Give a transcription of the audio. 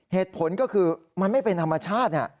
เหตุผลก็คือมันไม่เป็นธรรมชาติ